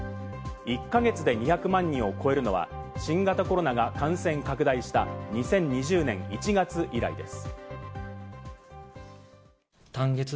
１か月で２００万人を超えるのは、新型コロナが感染拡大した２０２０年１月以来です。